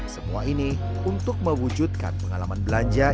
semua ini untuk mewujudkan pengalaman belanja